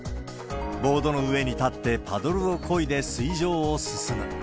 ボードの上に立って、パドルをこいで水上を進む。